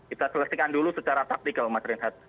kita selesaikan dulu secara taktik pak wawan